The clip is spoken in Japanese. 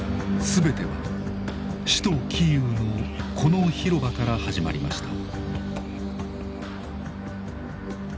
全ては首都キーウのこの広場から始まりました。